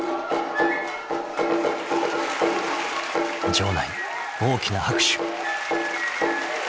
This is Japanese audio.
［場内大きな拍手］